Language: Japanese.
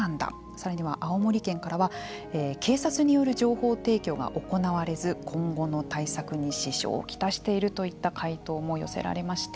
さらには青森県からは警察による情報提供が行われず今後の対策に支障を来しているといった回答も寄せられました。